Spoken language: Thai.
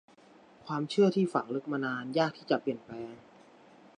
ความเชื่อที่ฝังลึกมานานยากที่จะเปลี่ยนแปลง